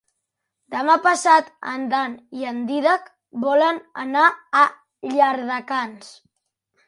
Demà passat en Dan i en Dídac volen anar a Llardecans.